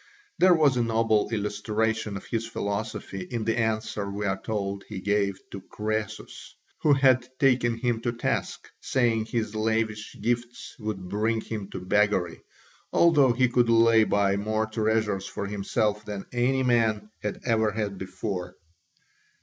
There was a noble illustration of his philosophy in the answer we are told he gave to Croesus, who had taken him to task, saying his lavish gifts would bring him to beggary, although he could lay by more treasures for himself than any man had ever had before.